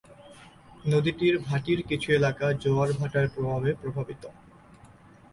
নদীটির ভাটির কিছু এলাকা জোয়ার ভাটার প্রভাবে প্রভাবিত।